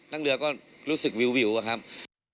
นั่งเรือก็รู้สึกวิวอะครับ